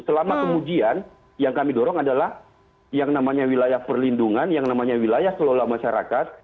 selama kemudian yang kami dorong adalah yang namanya wilayah perlindungan yang namanya wilayah kelola masyarakat